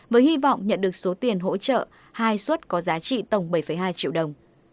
với hy vọng nhận được số tiền hỗ trợ hai suất có giá trị tổng bảy hai triệu đồng